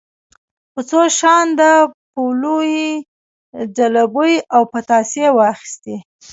په څو شانداپولیو یې زلوبۍ او پتاسې واخیستې.